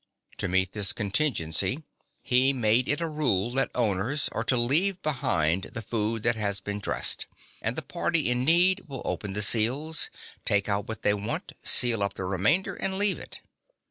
To meet this contingency he made it a rule that owners (6) are to leave behind the food that has been dressed; and the party in need will open the seals, take out what they want, seal up the remainder, and leave it.